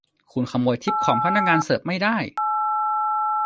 คุณขโมยทิปของพนักงานเสิร์ฟไม่ได้ !